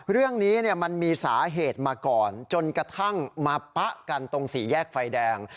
เรื่องนี้มันมีสาเหตุมาก่อนจนกระทั่งมาปะกันตรงสี่แยกไฟแดง